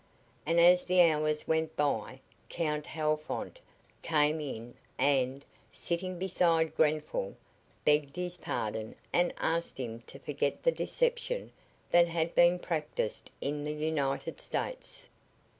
And as the hours went by Count Halfont font came in and, sitting beside Grenfall, begged his pardon and asked him to forget the deception that had been practiced in the United States.